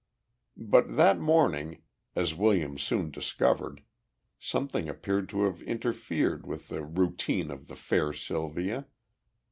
But that morning, as Williams soon discovered, something appeared to have interfered with the routine of the fair Sylvia.